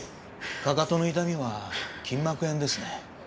かかとの痛みは筋膜炎ですね。